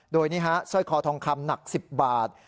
โดยนี่ฮะสร้อยคอทองคำหนัก๑๐บาท